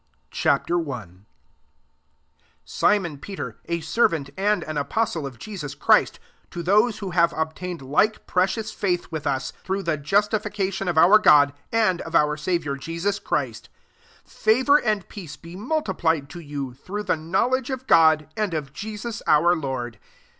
* CHAP. I. 1 SIMON Peter, a servant and an apostle of Jesus Christ, to those who have obtained like precious faith with us, through the justification of* our God, and of our Saviour Jesus Christ: 2 favour and peace be multi plied to you, through the know ledge of God, and of Jesus our Lord.